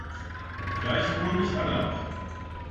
Gleich hole ich Anne ab.